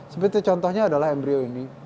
seperti contohnya adalah embryo ini